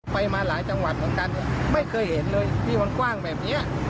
ไปมาหลายจังหวัดเหมือนกันเนี่ยไม่เคยเห็นเลยที่มันกว้างแบบนี้